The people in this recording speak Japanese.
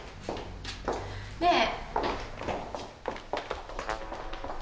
ねえ？